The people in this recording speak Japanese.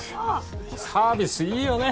サービスいいよね